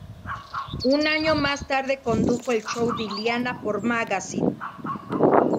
Un año más tarde condujo "El show de Iliana", por Magazine.